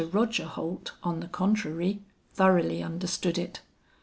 Roger Holt, on the contrary, thoroughly understood it.